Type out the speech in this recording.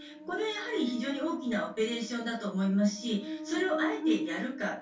これはやはり非常に大きなオペレーションだと思いますしそれをあえて、やるか。